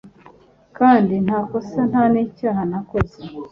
kandi nta kosa nta n'icyaha nakoze